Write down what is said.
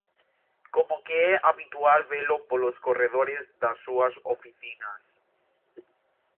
Como que é habitual velo polos corredores das súas oficinas.